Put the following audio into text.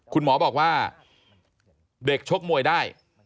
คุณหมอบอกว่าเด็กชกมวยได้